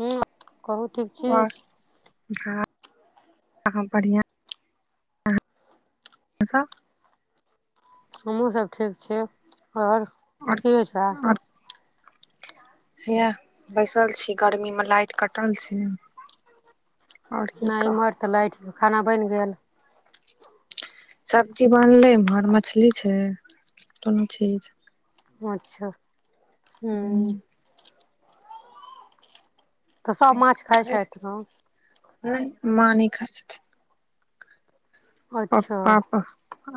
हूँ कहू ठीक छी वाह [inaudible] हमहहुँ सब ठीक छी आओर और की हय छै इहा बैसल छी गर्मी मे लाइट कटल छै और की नहि कह एम्हर तऽ लाइट त खाना बनि गेल सब्जी बनले इमहर मछली छै कोनो चीज अच्छा हूं तऽ सभ माछ खाइत ह छथि नहि मां नहि खाय छथिन अच्छा पप्पा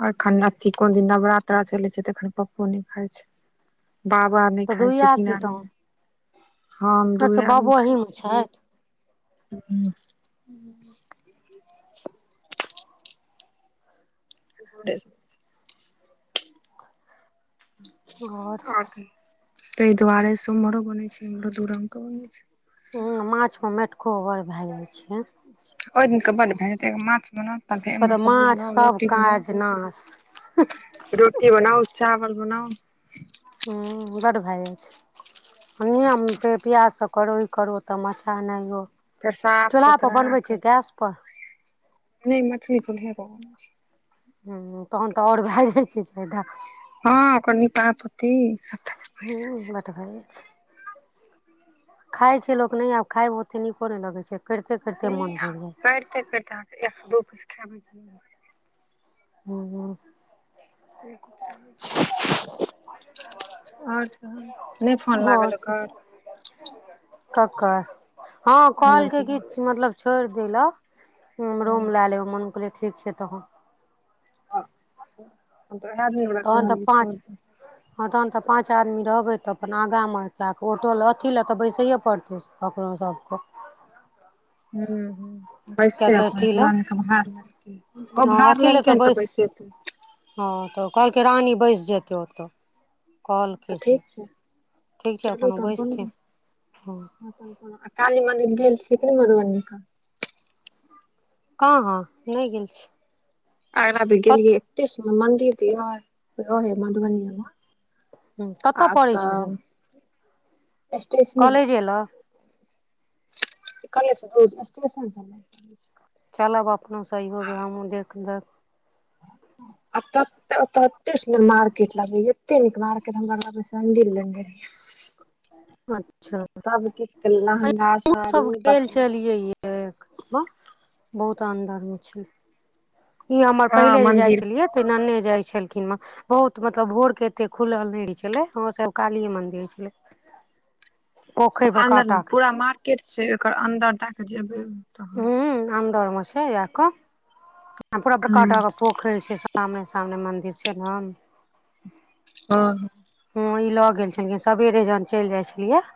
एखन अथी कोन दिन नवरात्रा चलै छै तऽ एखन पप्पो नहि खाय छै बाबा नहि तऽ खाय दुइए छथिन आदमी तऽ हम अच्छा दूए आदमी बाबो खाय अहीमे छी हू [unintelligible] [unintelligible] [unintelligible] आओर ताय दुआरे से ओमरो बनेै छै एमरो दुरंग के बनै छै माछ मे माटिको बर भए जाय छै ओ दिननक ब भैतै माछ बनाउ ते कहतऽ अमहर सब्जी माछ बनाउ सब रोटी काज नाश बनाउ रोटी बनाउ चावल बनाउ ह बडड भए जाइ छै ओ प्याज सब करो ई करो तऽ मछा ए नहिइयो फेर साफ चूल्हा पर सुथरा बनबै कर छियै कि गैस पर नहि मछली चुल्हे पर बनबै छियै तहन तऽ आओर भए जाइ छै, फायदा हँ, ओकर निकहा पोति। हू, मधुबनीसँ खाइ छै लोक ने आब खायमे ओते नीको ने लागे छै केरते। नहि आ करिते [unintelligible] करिते एक स दू पीस खेबै हू, हू से होइत रहै छी। आओर नहि फोन लागल ओकर? कक्कर, हँ उएह कहल्के लड़कीके किछु मतलब छोड़ि देलऽ रूम हूँ लए लेबै हम कहलिए ठीक छै। तहन ह, तऽ आहा दिन हमरा तहन तऽ कहली पाँच छोर तहन तऽ पाँच आदमी रहबै तऽ अपन आगाँमे कऽ ऑटो लए अथि लए तऽ बैसैए पड़तै ककरो सभके हू हू। किया बैसते अपन अथी लए तऽ बर लेलकै ओ हँ बाहर अथी लए लेलकै ने तऽ बैस बैसेतै हँ, तऽ कहलकै रानी बैस जेतै ओते कहल्के तऽ से, ठीक छै ठीक छै चलू अपन तहन कोन बैसते हँ काली मन्दिर गेल छियै कि मधुबनी? कहाँ नहि गेल छै। आइ भाभी गेलियै एते सुन्दर मन्दिर जे रहे मधुबनीमें हूँ, कतय पड़ै छै से? स्टेशन लंग कॉलेजे लग कलेशस [unintelligible] चलब अपनो सहियो मे हमहुँ देख लेब आ ओत एते सुन्दर मार्केट लगेय एते नीक मार्केट हम लगे छल मन्दिर लेने रहियै। अच्छा सभ किछ लहगा साड़ी बतन हू बहुत अन्दर मे छै। ई हमर हँ पहिले जे जाइ मंदिर छलियै तऽ नेने जाइ छलखिन मे बहुत मतलब भोरके एते खुलल नहि रहे छले हमरो सभके कालीए मन्दिर छले अन्दर टा के पूरा छै मार्केट छै, ओकर अन्दर दएके जेबै तहन ह अन्दरमे छै ज कऽ आ पूरा बड़काट खल छै सामने सामने मन्दिर छै न आ। हँ, ई लऽ गेल छलखिन साबेरे जहन चलि जाइ छलियै।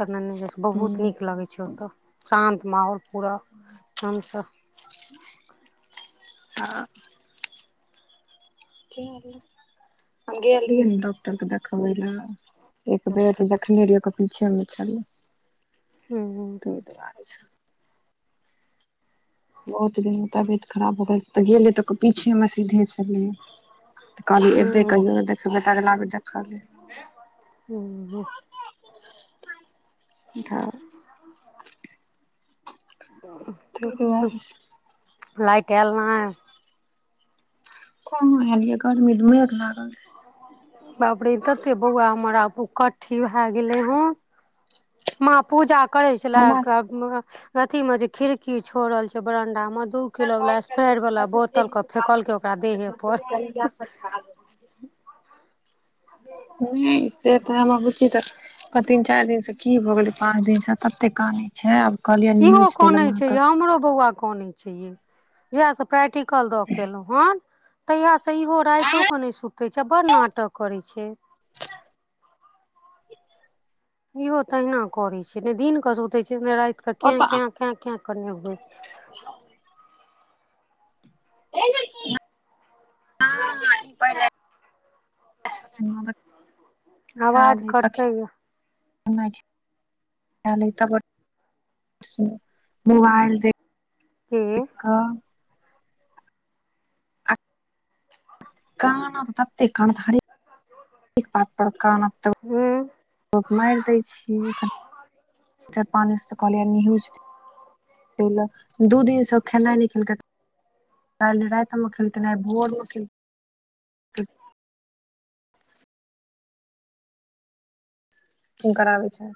तखन न बहुत नीक लगै छै, ओत शान्त माहौल पूरा हमसँ। ह। हम गेलिए रहियै ने, डॉक्टरके देखाबऽ लेल। एक बेर तऽ देखने रहियै एकर पिछे न छोरले ते दुआरे छै। बहुत दिन तबियत खराब हो गेल त गेलै तऽ पीछेमे सीधे छलै त कहली अयबै कहियो ने देखयबै, अगला बेर तखन त दुआरे से। लइत एले नहि कहाँ एलियै गर्मी तऽ मेघ लागल बाप रे तते बौआ हमर आब उकट्ठी भए गेले हन। माँ पूजा करै छलै। हमरा अथिमे जे खिड़की छोड़ल छै बरंडामे दू किलो वाला स्प्रे वाला बोतल फेकलके ओकरा देहे पर अच [unintelligible] नहि से तऽ हमर बुची तीन चारि दिनसे की भ गेलै पाँच दिनस तते काने छै आब कहलियै इहो काने छै ये हमरो बौआ कनै छै इ प्रैक्टिकल दऽ क एलौ हन तहिया से इहो रातो के नहि सुते छै आ बड़ नाटक करै छै इहो तहिना करे छै ने दिन के सुते छै ने रातझंथंथंके कें ओतऽ केैं कें कें के ने होए छै पहिले खल आवाज तऽ कटैय [unintelligible] मोबाइल देख की कऽ आ कानत तते कानत हरेक बात पर कानत त हू धप मारि दै छी अखन चारि पाचसँ दिन सँ तऽ कहलिय निहुच ल दू दिनसँ खेनाय नहि खेलकै काल्हि रातिमे खेलखै आय भोरमे खेलकै कराबै छै